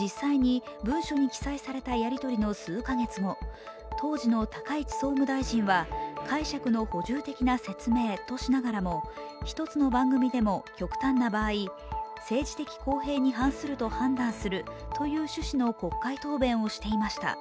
実際に文書に記載されたやり取りの数か月後、当時の高市総務大臣は、解釈の補充的な説明としながらも一つの番組でも極端な場合、政治的公平に反すると判断するという趣旨の国会答弁をしていました。